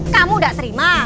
kamu tidak terima